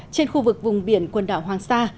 trên khu vực vùng biển quần đảo hoàng sa